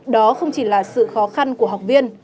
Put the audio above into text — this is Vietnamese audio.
đó không chỉ là sự khó khăn của học viên